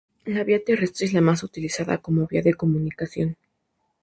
La vía terrestre es la más utilizada como vía de comunicación.